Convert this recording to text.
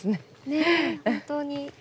ねえ本当に。